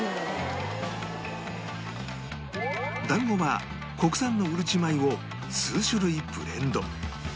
団子は国産のうるち米を数種類ブレンド